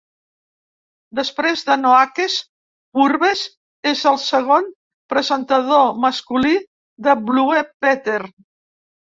Després de Noakes, Purves és el segon presentador masculí de Blue Peter.